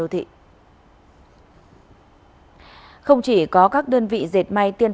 anh dunna đã có một gia đình em ấm